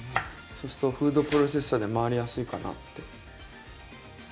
そうするとフードプロセッサーで回りやすいかなって。